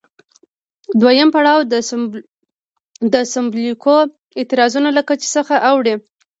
دویم پړاو د سمبولیکو اعتراضونو له کچې څخه اوړي.